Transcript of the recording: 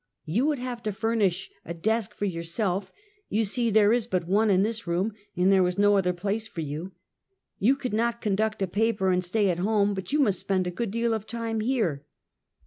"You would have to furnish a desk for yourself, you see there is but one in this room, and there is no other place for you, Tou could not conduct a paper and stay at home, but must spend a good deal of time here!"